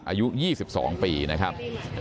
ท่านดูเหตุการณ์ก่อนนะครับ